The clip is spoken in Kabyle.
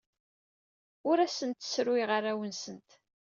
Ur asent-ssruyeɣ arraw-nwent.